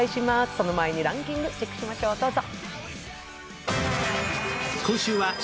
その前にランキング、チェックしましょう、どうぞ。